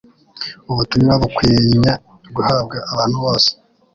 Ubutumwa bukwinye guhabwa abantu bose.